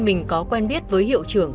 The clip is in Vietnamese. mình có quen biết với hiệu trưởng